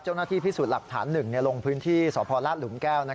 เจ้าหน้าที่พิสูจน์หลักฐานหนึ่งในโรงพื้นที่สรหลุ้มแก้ว